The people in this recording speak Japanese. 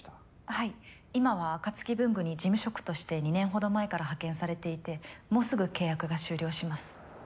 はい今はアカツキ文具に事務職として２年ほど前から派遣されていてもうすぐ契約が終了します。